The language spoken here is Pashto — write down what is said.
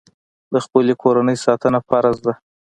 د خپلې کورنۍ ساتنه فرض ده.